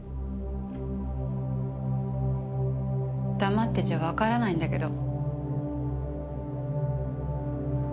黙ってちゃわからないんだけど。